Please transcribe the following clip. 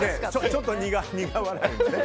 ちょっと苦笑いのね。